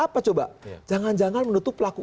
apa coba jangan jangan menutup pelaku